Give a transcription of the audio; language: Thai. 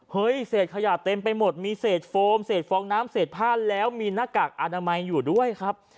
เศษขยะเต็มไปหมดมีเศษโฟมเศษฟองน้ำเศษผ้าแล้วมีหน้ากากอนามัยอยู่ด้วยครับ